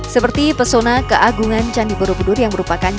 seperti pesona keagungan candi borobudur yang berada di jawa tengah